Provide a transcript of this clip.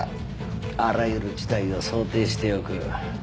あらゆる事態を想定しておく。